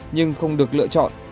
nhưng không được lựa chọn